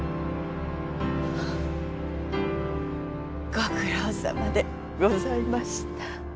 ご苦労さまでございました。